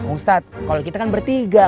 ustadz kalau kita kan bertiga